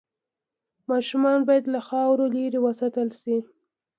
ماشومان باید له خاورو لرې وساتل شي۔